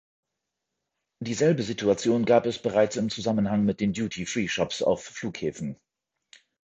Dieselbe Situation gab es bereits im Zusammenhang mit den Duty-free-Shops auf Flughäfen.